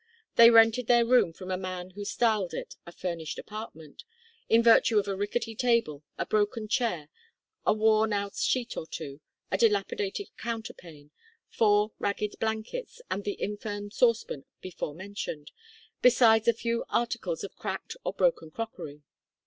They rented their room from a man who styled it a furnished apartment, in virtue of a rickety table, a broken chair, a worn out sheet or two, a dilapidated counterpane, four ragged blankets, and the infirm saucepan before mentioned, besides a few articles of cracked or broken crockery.